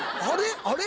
あれ？